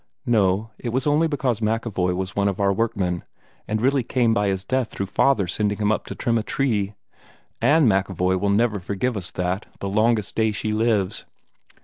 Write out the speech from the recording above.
"No; it was only because MacEvoy was one of our workmen, and really came by his death through father sending him up to trim a tree. Ann MacEvoy will never forgive us that, the longest day she lives.